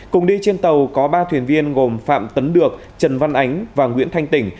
cùng đi trên tàu có ba thuyền viên gồm phạm tấn được trần văn ánh và nguyễn thanh tỉnh